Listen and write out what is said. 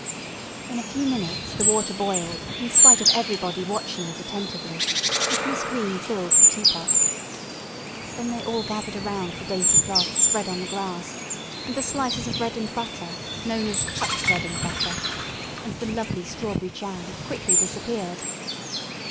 In a few minutes the water boiled in spite of everybody watching it attentively, and Miss Green filled the teapot. Then they all gathered around the dainty cloth spread on the grass, and the slices of bread and butter, known as "cut bread and butter," and the lovely strawberry jam quickly disappeared.